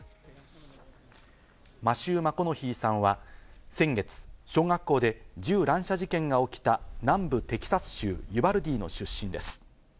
マシュー・マコノヒーさんは先月、小学校で銃乱射事件が起きた南部テキサス州ユバルディの出身です。